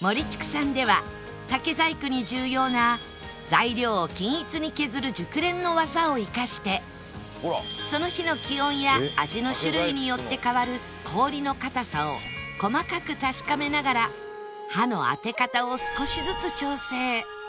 ＭＯＲＩＣＨＩＫＵ さんでは竹細工に重要な材料を均一に削る熟練の技を生かしてその日の気温や味の種類によって変わる氷の硬さを細かく確かめながら刃の当て方を少しずつ調整